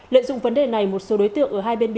lợi dụng vấn đề này một số đối tượng